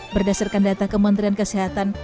berdasarkan data kementerian kesehatan